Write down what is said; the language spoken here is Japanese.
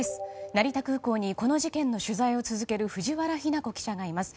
成田空港にこの事件の取材を続ける藤原妃奈子記者がいます。